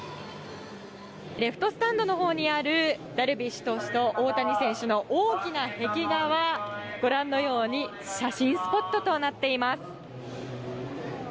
レフトスタンドにあるダルビッシュ投手と大谷選手の大きな壁画は、ご覧のように写真スポットとなっています。